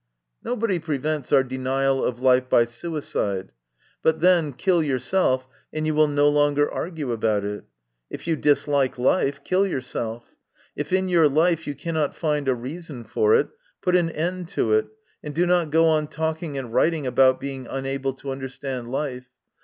Nobody prevents our denial of life by suicide, but, then, kill yourself and you will no longer argue about it. If you dislike life, kill yourself. If in your life you cannot find a reason for it, put an end to it, and do not go on talking and writing about being unable to understand life.